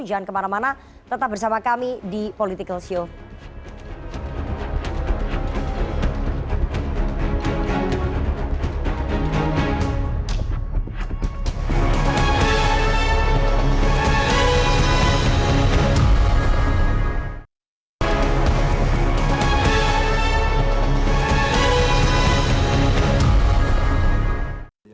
jangan kemana mana tetap bersama kami di political show